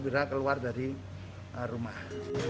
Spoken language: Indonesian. biar keluar dari rumah